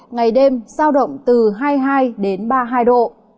ngày đêm giao động từ hai mươi hai đến ba mươi hai độ